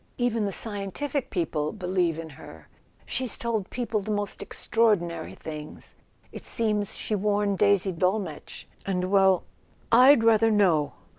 Even the scientific people believe in her. She's told people the most extraordinary things—it seems she warned Daisy de Dolmetsch. .. Well, I'd rather know!"